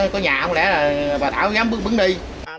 có nhà không lẽ là bà thảo dám bước bước đi